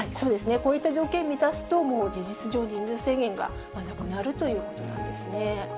こういった条件を満たすと、もう事実上、人数制限がなくなるということなんですね。